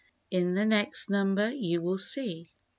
In the next number you will see.